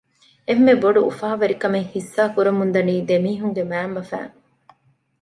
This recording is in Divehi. އެންމެ ބޮޑު އުފާވެރިކަމެއް ހިއްސާކުރަމުން ދަނީ ދެމީހުންގެ މައިންބަފައިން